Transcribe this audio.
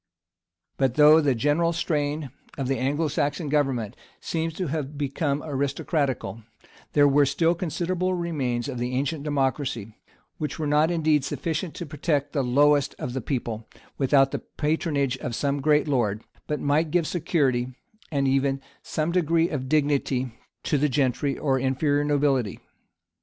But though the general strain of the Anglo Saxon government seems to have become aristocratical, there were still considerable remains of the ancient democracy, which were not indeed sufficient to protect the lowest of the people, without the patronage of some great lord, but might give security, and even some degree of dignity, to the gentry or inferior nobility.